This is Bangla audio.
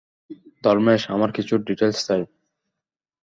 ধর্মেশ, আমার কিছু ডিটেইলস চাই।